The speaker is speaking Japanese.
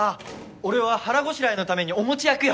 俺は腹ごしらえのためにお餅焼くよ。